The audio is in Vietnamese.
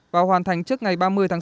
và hoàn thành trước ngày ba mươi tháng sáu